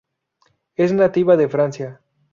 Es nativa de Francia.